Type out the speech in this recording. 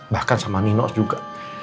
bahkan sama ninos juga